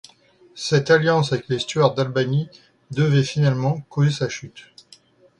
Cette alliance avec les Stuart d'Albany devait finalement causer sa chute.